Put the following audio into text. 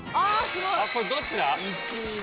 これどっちだ？